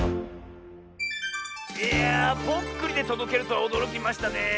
いやぽっくりでとどけるとはおどろきましたねえ。